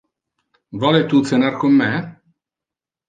Vole tu cenar con me?